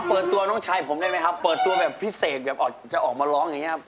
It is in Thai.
ตัวน้องชายผมได้ไหมครับเปิดตัวแบบพิเศษแบบจะออกมาร้องอย่างนี้ครับ